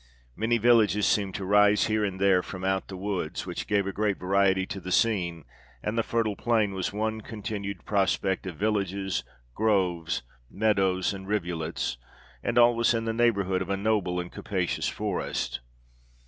Many villages seemed to rise here and there from out the woods, which gave a great variety to the scene, and the fertile plain was one continued prospect of villages, groves, meadows, and rivulets, and all was in the neighbourhood of a noble and capacious forest.